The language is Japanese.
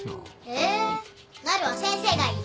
えなるは先生がいい。